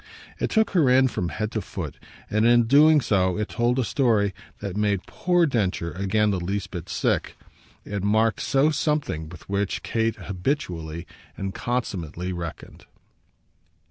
It took her in from head to foot, and in doing so it told a story that made poor Densher again the least bit sick: it marked so something with which Kate habitually and consummately reckoned.